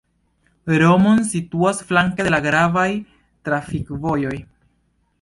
Romont situas flanke de la gravaj trafikvojoj.